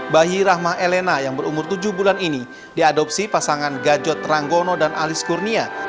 bayi rahma elena yang berumur tujuh bulan ini diadopsi pasangan gajot ranggono dan alis kurnia